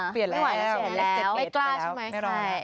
ไม่กล้าใช่มั้ย